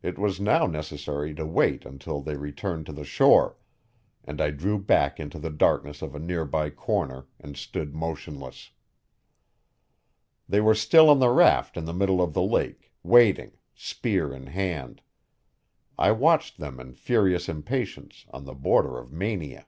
It was now necessary to wait till they returned to the shore, and I drew back into the darkness of a near by corner and stood motionless. They were still on the raft in the middle of the lake, waiting, spear in hand. I watched them in furious impatience, on the border of mania.